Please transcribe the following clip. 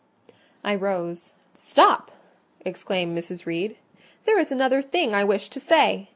I rose. "Stop!" exclaimed Mrs. Reed, "there is another thing I wished to say.